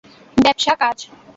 ব্যবসা, কাজ।